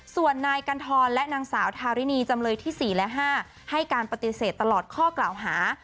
ส่วนนายกัณฑรและนางสาวทารินีจำเลยที่๔และ๕ให้การปฏิเสธตลอดข้อกล่าวหา